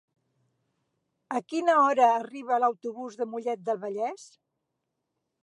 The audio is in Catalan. A quina hora arriba l'autobús de Mollet del Vallès?